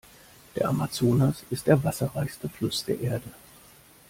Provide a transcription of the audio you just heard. Der Amazonas ist der wasserreichste Fluss der Erde.